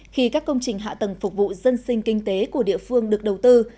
khi các công trình hạ tầng phục vụ dân sinh kinh tế của địa phương được đầu tư